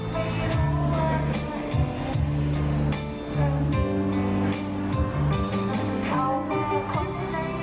เพลง